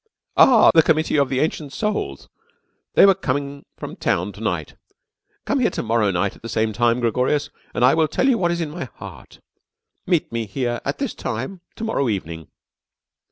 "Ah, the Committee of the Ancient Souls. They were coming from town to night. Come here to morrow night at the same time, Gregorius, and I will tell you what is in my heart. Meet me here at this time to morrow evening."